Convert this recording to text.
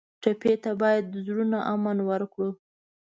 ټپي ته باید د زړونو امن ورکړو.